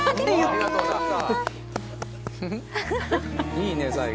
いいね最後。